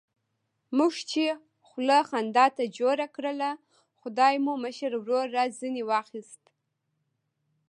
موږ چې خوله خندا ته جوړه کړله، خدای مو مشر ورور را ځنې واخیست.